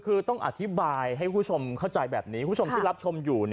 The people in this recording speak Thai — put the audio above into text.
คือต้องอธิบายให้คุณผู้ชมเข้าใจแบบนี้คุณผู้ชมที่รับชมอยู่